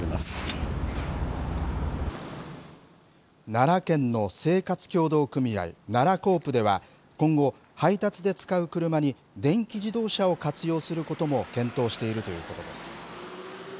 奈良県の生活協同組合、ならコープでは今後、配達で使う車に、電気自動車を活用することも検討しているということです。